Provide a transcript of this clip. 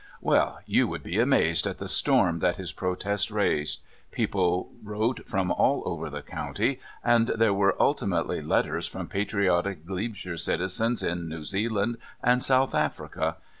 Well, you would be amazed at the storm that his protest raised. People wrote from all over the County, and there were ultimately letters from patriotic Glebeshire citizens in New Zealand and South Africa.